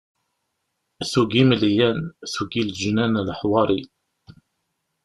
Tugi imelyan, tugi leǧnan, leḥwari...